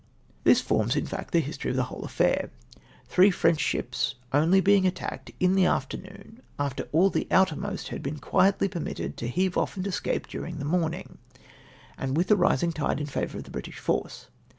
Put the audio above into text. o This forms, in fact, the history of the whole affair ; three French ships only being attacked in the after noon, after all the outermost had been quietly permitted to heave off and escape during the morning, and with a rismg tide in favour of the British force.